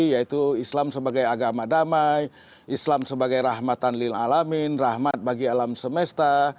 yaitu islam sebagai agama damai islam sebagai rahmatan lil'alamin rahmat bagi alam semesta